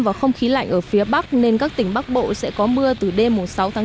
và không khí lạnh ở phía bắc nên các tỉnh bắc bộ sẽ có mưa từ đêm sáu chín